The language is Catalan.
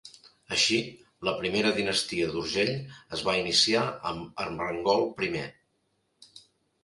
Així, la primera dinastia d'Urgell es va iniciar amb Ermengol I.